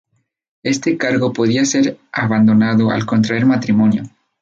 Este cargo podía ser abandonado al contraer matrimonio.